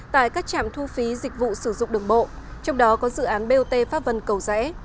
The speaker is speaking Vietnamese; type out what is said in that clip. tại các trạm thu phí dịch vụ sử dụng đường bộ trong đó có dự án bot pháp vân cầu rẽ